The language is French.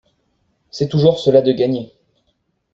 C’est toujours cela de gagné.